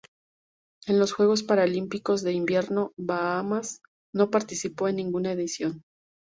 En los Juegos Paralímpicos de Invierno Bahamas no participó en ninguna edición.